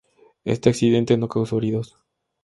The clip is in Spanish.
Este accidente no causó heridos.